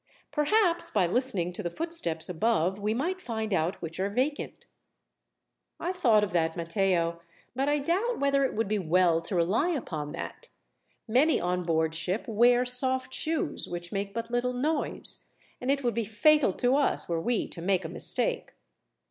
Perhaps, by listening to the footsteps above, we might find out which are vacant." "I thought of that, Matteo, but I doubt whether it would be well to rely upon that. Many on board ship wear soft shoes, which make but little noise, and it would be fatal to us were we to make a mistake.